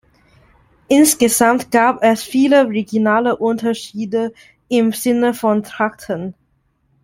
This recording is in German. Insgesamt gab es viele regionale Unterschiede im Sinne von Trachten.